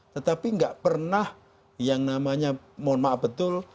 tetapi nggak pernah yang namanya mohon maaf betul